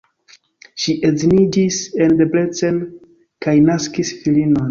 Ŝi edziniĝis en Debrecen kaj naskis filinon.